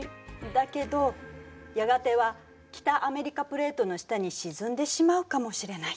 だけどやがては北アメリカプレートの下に沈んでしまうかもしれない。